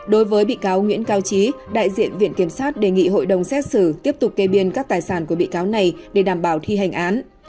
đối với bị cáo nguyễn cao trí đại diện viện kiểm sát đề nghị hội đồng xét xử tiếp tục kê biên các tài sản của bị cáo này để đảm bảo thi hành án